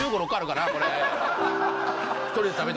一人で食べて。